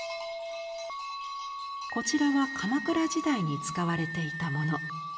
こちらは鎌倉時代に使われていたもの。